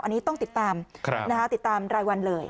อันนี้ต้องติดตามติดตามรายวันเลย